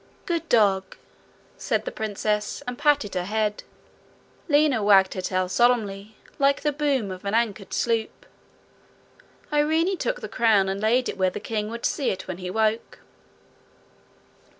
'Good dog!' said the princess, and patted her head. Lina wagged her tail solemnly, like the boom of an anchored sloop. Irene took the crown, and laid it where the king would see it when he woke.